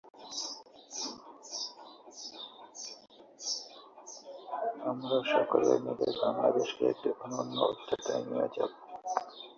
অঞ্চলটি জৈব বৈচিত্র ও প্রাকৃতিক সম্পদের জন্য বিখ্যাত।